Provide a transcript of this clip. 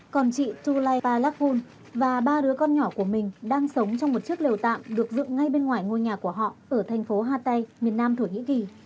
còn chị tulay palakul và ba đứa con nhỏ của mình đang sống trong một chiếc lều tạm được dựng ngay bên ngoài ngôi nhà của họ ở thành phố hatay miền nam thổ nhĩ kỳ